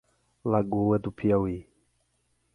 Lagoa do Piauí